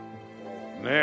ねえ。